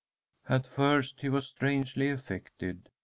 At first he was strangely affected.